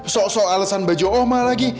soal soal alesan baju omar lagi